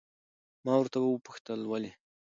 ما ورته وپوښتل ولې؟